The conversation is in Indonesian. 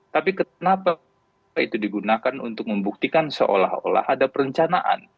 tapi kenapa itu digunakan untuk membuktikan seolah olah ada perencanaan